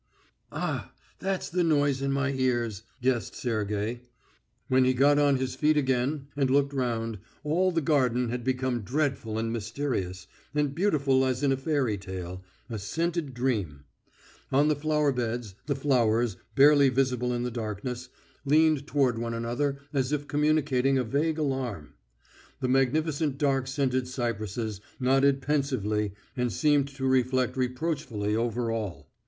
"Ah, that's the noise in my ears," guessed Sergey. When he got on his feet again and looked round, all the garden had become dreadful and mysterious, and beautiful as in a fairy tale, a scented dream. On the flower beds the flowers, barely visible in the darkness, leaned toward one another as if communicating a vague alarm. The magnificent dark scented cypresses nodded pensively, and seemed to reflect reproachfully over all.